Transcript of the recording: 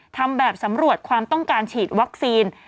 ทำแบบสำรวจความต้องการฉีดวัคซีน